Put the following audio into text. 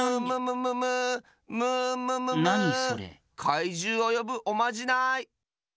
かいじゅうをよぶおまじない！